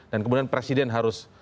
dan kemudian presiden harus